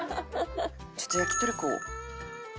ちょっと焼き鳥食おう。